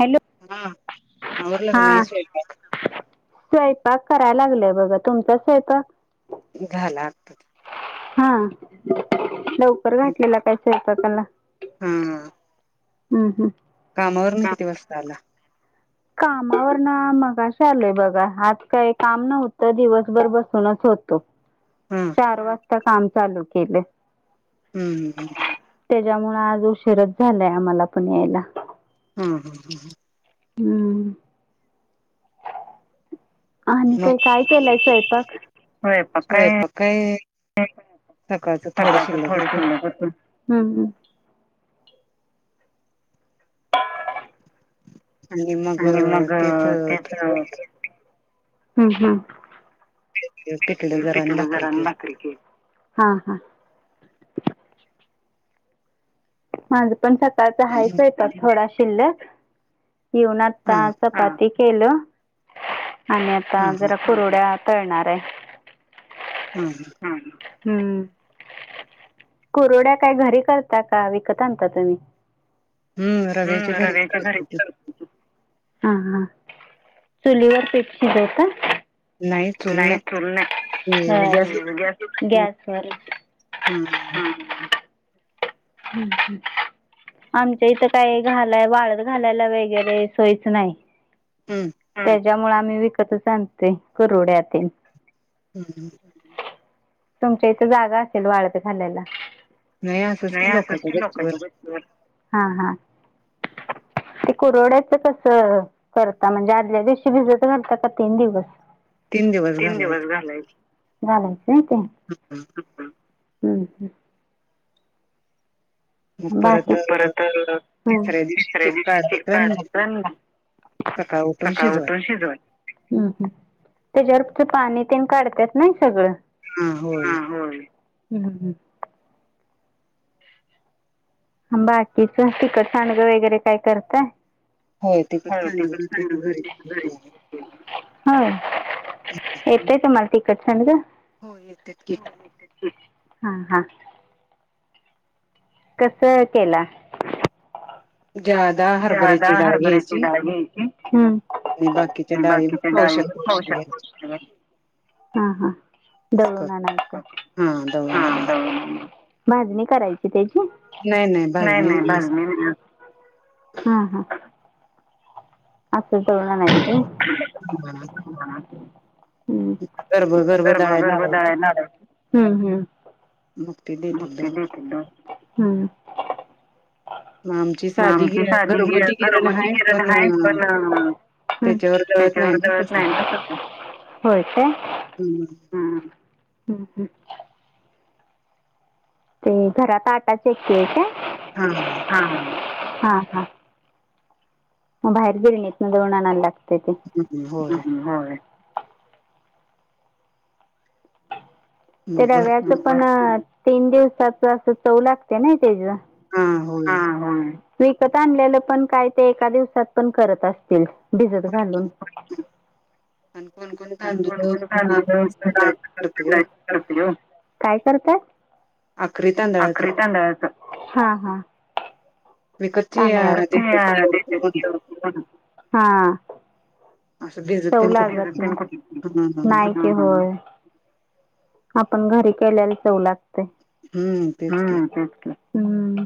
Hello हा आवरला हा का नाही स्वयंपाक? स्वयंपाक करायला लागलाय बघा तुमचा स्वयंपाक. झाला आत्ताच. हा लवकर घातलेला काय स्वयंपाकाला. हा. हम्म हम्म.. कामावर ना किती वाजता आला.? कामावर ना मगाश आलोय बघा आज काय काम नव्हतं, दिवसभर बसूनच होतो. हा चार वाजता काम चालू केले. हम्म हम् हम्. त्याच्यामुळे आज उशीरच झालाय आम्हाला पण यायला. हम् हम् हम् ह. हम्म. आणि का मग काय केलंय स्वयंपाक? स्वयंपाक काय. सकाळचं थोडं शिल्लक होतं. आणिज मग तेच त्याच हम् हम्. पिठलं आणि जरा भाकरी केली. माझं पण सकाळचं केली हायच येतात थोडा शिल्लक. येऊन हा हा आता चपाती केलं आणि आता हा जरा कुरुड्या तळणार आहे. हा हम्म कुरड्या काय घरी करता का विकत? आणता तुम्ही रव्याच्या घरीच करतो. हा हा चुलीवर पीठ शिजव का? नाही चूल नाही गॅसवरच. हम. हम्म हम्. आमच्या इथं काय घालाय वाळत घालायला वगैरे सोयच नाही. हम्म. ज्यामुळे आम्ही विकत च आणतोय कुरडया ते. हम्म ह. तुमच्या इथे जागा असेल वाळत घालायला. नाही असंच की लोकांच्या गच्चीवर. ह. ते कुरवड्याच कसं करता म्हणजे आदल्या दिवशी भिजत करता का तीन दिवस. तीन दिवस घालायचं. झालंच ते हम् ह्. परत तिसऱ्या दिवशी चिक काढायचा मग. सकाळ सकाळ शिजवाय उठून शिजवायचं. त्याच्यावर पाणी तेन काढतात नाही सगळं. हा होय ह् हं. बाकीच तिखट सांडगे वगैरे काय करताय? तिकड होय तिखट सांडगं सांडगे ते घरीच करतो आम्ही. करतोय. होा येतय तुम्हाला तिखट सांडग? हो येतत गी. हम्म हम. कस केला? ज्यादा जा्यादा हरभऱ्याची डाळ हरभऱ्याची घ्यायची डाळ घ्यायची. बाकीच्या आणि डाळी बाकीचे डाळीम पावशेर होऊ पावशेर घ्यायच्या शकतो. हा हा असं दळून करतो आणच. हा दळून आणाय भाजणी करायची त्याची? नाही नाही भाजणी नाही. हम्म हम्म. असं दळून आणायचं व्हय. असं हम् गर्भ गर्भ गर्ब दळायला गर्ब त लावायची हम्म हम्. मग ते देतात दळून बतटल हम्. मग आमची साधी आमची गी साधी गिरण घरगुती हाय गिरण पण हाय पण हम् त्याच्यावर दळत नाही ना त्याच्यावरत तसं. नाहीच होत होय का ह ह् ह् ते घरात आटा चक्की हाय हा काय हा हा बाहेर गिरणी तन दोना नला ह होय ह हो ते मग रव्याचं भरपूर पण तीन दिवसाच अस चव लागते ना त्या हा हो विकत आणलेलं पण काय ते एका दिवसात पण करत असतील भिजत होय की घालून आणि कोणकोण आणि कोण तांदूळ कोण तांदळाची करते हो काय करतय आकरी तांदळाचं हा हा विकतची देतात हा असं भिजत चव तेन कुठलं हा हा नाही ते होय आपण घरी केल्याला चव लागते हम्म तेच की हम् हम्म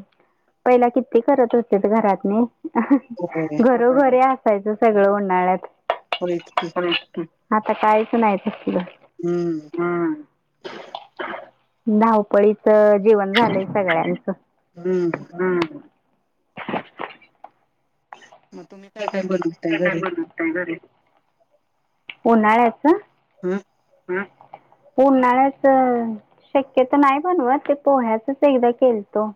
पहिला किती करत असते घरातने होय घरोघरे अस असायचं सगळं उन्हाळ्यात होय च की होय. आता काहीच नाही ते हम्म धावपळीच जेवण झालंय सगळ्यांचं हम्म मग तुम्ही काय काय बनवताय घरी घ उन्हाळ्याच हमम हम्म उन्हाळ्याच शक्यत नाही बनवा ते पोह्याचच एकदा केलतो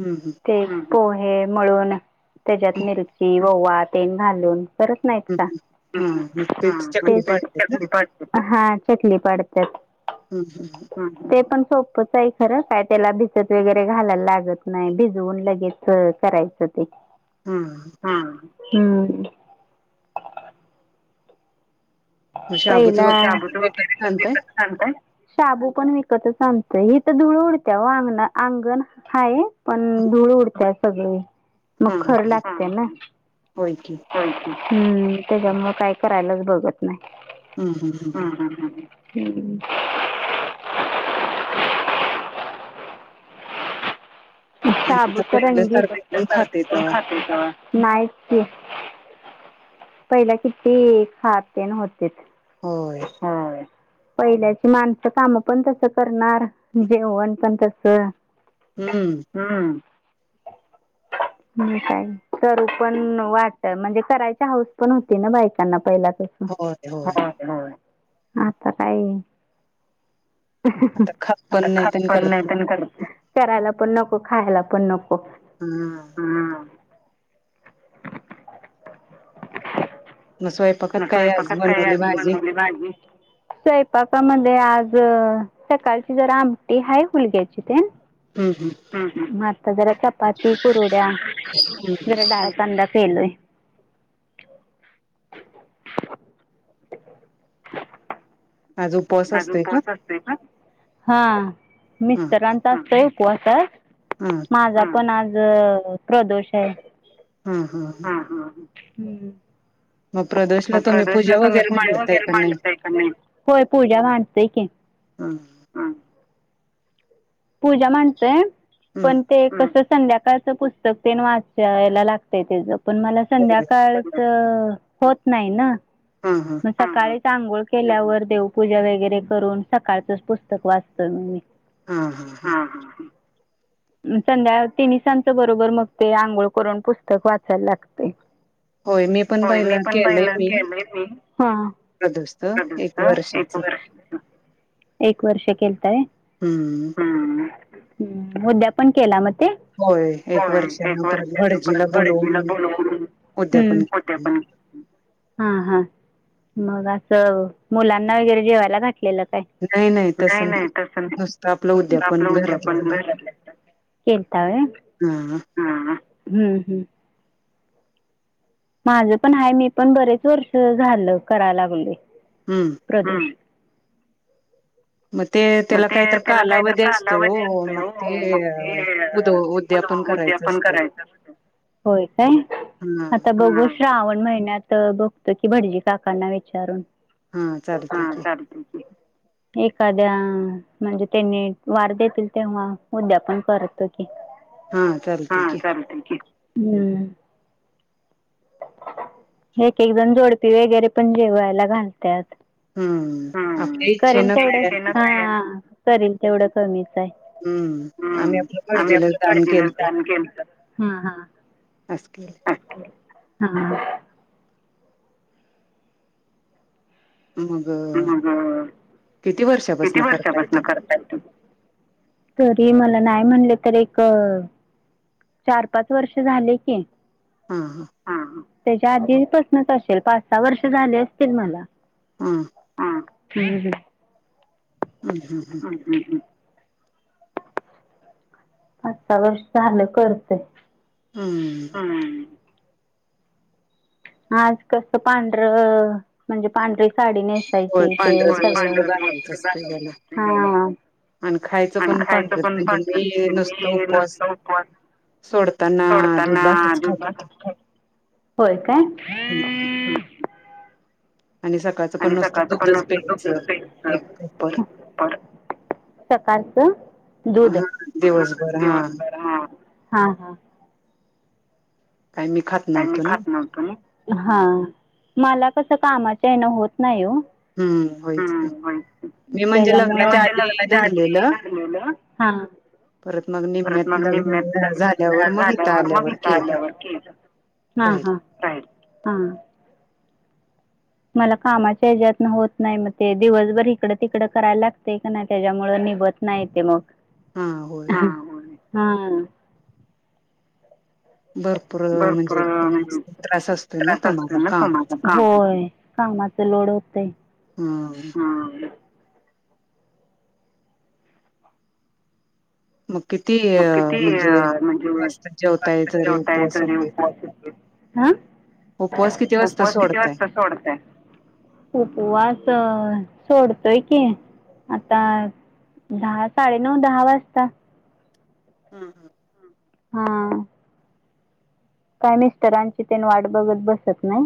हम्म हम्म ते पोहे म्हळून त्याच्यात मिरची ववा तेन घालून करत हं नाहीत का हा मग त्याची चकली पाडतात ना हा चलीत हं हं पण सोपच आहे खरं काय त्याला भिजत वगैरे घालायला लागत नाही भिजवून लगेच करायचं ते हा हम् मग शाबूच वगैरे पहिलाब पण विकत वगरे आणताय सांगतय शाबू पण विकतच आणतय ही तर धुळ उडत्या व अंगण अंगण हाय पण धूळ उडत सगळी मग हा खरं लागते ना होय की हम्म त्याच्यामु काय करायलाच बघत नाही हं हं हं हं हम् च आणि आता शाबू तर रणी पहिल्यासारखं कोण खातंय तवा खात नाही ते [unintelligible] ह [unintelligible] पहिला किती खाते न होते हो होय. पहिल्याची माणसं काम पण तसं करणार जेवण पण तस हम्म हम्म ह् काय तरू पण वाट म्हणजे करायच्या हाऊस पण होती ना बायकांना पहिला तसं. होय होय आता काय आता खात पण ख नाहीत आणि पण नाही करत प ख करायला पण नको खायला, पण नको पण हा हा मग स्वयंपाकात म काय स्वयंपाकात बनवली आज भाजी? बनवली भाजी, स्वंयपाका मध्ये आज ज सकाळची जरा आमटी हाय. हुलग्याची ते हम्म हम्म म आता जरा चपाती, कुरुड्या जरा डाळकांदा केलोय. आज उपवास आज असतोय उपवास असतोय, का हा हा मिस्तरांचा असतोय, उपवास आज. हा माझा पण आज प्रदोष हाय. हा हा. हम्म! मग प्रदोषला तुम्ही प्रदोशला पूजा त वगैरे पूजा मांडताय वगैरे का नाही? मांडताय क नाही? होय, पूजा मांडतोय की. हम्म! पूजा मांडतोय, हम्म पण ते कसं संध्याकाळचं पुस्तक ते वाचायला लागतय, त्याच पण मला हा संध्याकाळचं होत नाही, ना हा हा मग सकाळी अंघोळ केल्यावर देवपूजा वगैरे, करून सकाळचचं पुस्तक वाचतोय मी. हा हा हा. संध्या तिन सांजच बरोबर, मग ते आंघोळ करून पुस्तक वाचायला लागतयं. होय मी पण होय, मी पहिलं पण केलंय पहिलं मी केलंय मी. प्रदोषच एक [unintelligible] एक वर्षाच वर्ष केल. एक वर्ष केलता होय. हम्म! उद्या पण केला. म होय [unintelligible] एक होय, वर्षान एक परत वर्षाच परत भडजीला भटजीला बोलवून बोलवून हम्म! उद्यापन केलं. उद्यापन हा हा. मग असं मुलांना वगैरे, जेवायला घ घातलेल काय? नाही नाही, तसं नुसतं आपलं नाही उद्यापन आपलं घरातल्या उद्यापन घ घरात केलता व्हय. हा हा हा ह ह. माझं पण आहे. मी पण बरेच वर्ष झालं कराय लागलोय. हम्म प्रदोष. मग ते म त्याला ते काहीतर तेला काय तर, कालावधी कांदा असतोय वर्ज हो असतोय मग ओ ते मग ते अ, उद उद्यापन करायचं उद्यापण असतय करायचं असतयं. होय, काय? हा आता बघू श्रावण महिन्यात. महिन्यात बघतो की, भटजी काकांना विचारून हा चालतय की चाल एखाद्या म्हणजे त्यांनी वार देतील, तेव्हा उद्यापण करत चालतय हा की चालतंय की. हम. एक एक जण जोडपी वगैरे, पण जेवायला घालत्यात. हम्म! आपले इच्छे करेल तेवढं [unintelligible] हा करील तेवढं कमीच. आम्ही हम्म! आपलं आम्ही भटजीलाच आपल दान भटजीला केलत विचारून केलंतं. [unintelligible] हा. मग तिथनं किती? वर्षापासन करतायं इथं. [inaudible] करता. तरी मला नाही म्हणले, तर एक चार, पाच वर्ष झाले की. हा त्याच्या आधीपसनच असेल, पाच सहा वर्ष झाले अ असतील, मला. हा हम्म ह हम हम हम्म पाच, सहा वर्ष झालं करतेय. हम्म! आज कसं पांढर म्हणजे, पांढरीे साडी होय नेसायची ते पांढरच सगळं वस्त्र घालायचं असतंय त्याला [unintelligible] हा आणि खायचं आणि पण खायचं पांढरच पण म्हणजे [unintelligible] मी नुसतं मी उपवास नसतं उपवास सोडताना दूध सोडताना भातच दुध, खात भातचं खातोय, होय काय? ह ह. आणि नुसतं सकाळच पण दुधच प्यायचं नसतं. एक कपर [unintelligible] सकारचं दूध हा दिवसभर हा [unintelligible] हा हा. काय मी खात पण मी नव्हतो नाही खात नव्हतो ना, मला कस कामा ये होत नाही हो हम्म ह होयच की मी लग्नाच्या म्हणजे आधी लगनाच्या धरलेलं आ [unintelligible] हां परत मग परत निम्म्यात मग मी तु लग्न झाल्यावर [unintelligible] मग इथं झाल्यावर मग आल्यावर इथ केलं आल्यावर हा राहील हा हा. मला कामाच्या हच्यातन होत नाही, मग ते दिवसभर इकडं तिकड करायला लागते का नाही त्याच्यामुळे निबत नाही तेे मग, हा हो हा भरपूर म्हणजे भरपूरत त्रास असतोय ना त्रास तो माझा असते नय कामाचा काम होय काम आम्हाला तर लोड होतय. हम्म हा मग किती मग किती म्हणजे अ वाजता जेवताय जरी म्हणजेेवटा आहे उपवास तरी वगैरे उपवास अ उपवास किती वाजता उपवास किती सोडताय? वाजता सोडताय? उपवास अ सोडतोय की आता दहा साडेनऊ दहा वाजता. हा हम हा काय मिस्टरांची तेन वाट बघत बसत नाही.